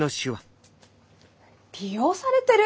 利用されてる？